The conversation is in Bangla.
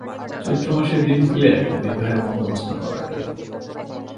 চৈত্রমাসে দিন ফেলিয়া একটা বিবাহের বন্দোবস্ত করা গেল।